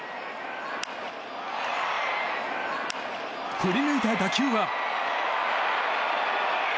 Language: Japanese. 振り抜いた打球は。